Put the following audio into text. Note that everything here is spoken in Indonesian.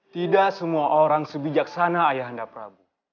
tidak semua orang sebijaksana ayah anda prabu